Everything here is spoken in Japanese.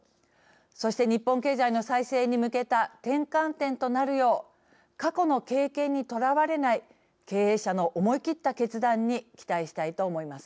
そして、日本経済の再生に向けた転換点となるよう過去の経験にとらわれない経営者の思い切った決断に期待したいと思います。